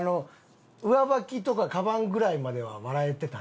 上履きとかカバンぐらいまでは笑えてたんよ。